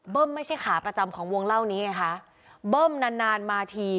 ไม่ใช่ขาประจำของวงเล่านี้ไงคะเบิ้มนานนานมาที